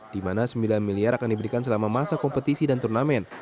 di mana sembilan miliar akan diberikan selama masa kompetisi dan turnamen